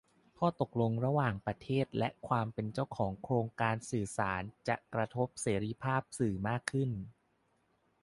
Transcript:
ข้อตกลงการระหว่างประเทศ และความเป็นเจ้าของโครงสร้างสื่อสาร จะกระทบเสรีภาพสื่อมากขึ้น